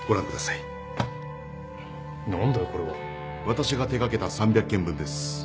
私が手掛けた３００件分です。